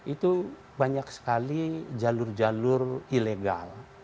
itu banyak sekali jalur jalur ilegal